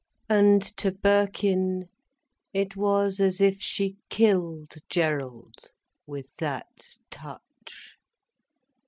And to Birkin it was as if she killed Gerald, with that touch.